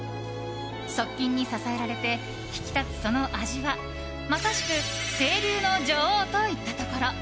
側近に支えられて引き立つその味はまさしく清流の女王といったところ。